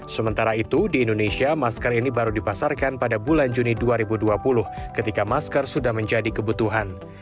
sementara itu di indonesia masker ini baru dipasarkan pada bulan juni dua ribu dua puluh ketika masker sudah menjadi kebutuhan